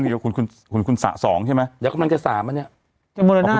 เดี๋ยวก็มันจะสามอันนี้